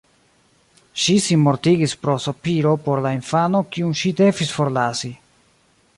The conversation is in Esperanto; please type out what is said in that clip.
Ŝi sinmortigis pro sopiro por la infano kiun ŝi devis forlasi.